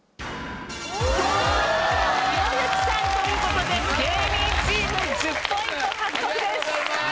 ひろゆきさんという事で芸人チーム１０ポイント獲得です。